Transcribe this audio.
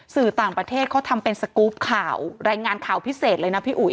สื่อต่างประเทศเขาทำเป็นสกรูปข่าวรายงานข่าวพิเศษเลยนะพี่อุ๋ย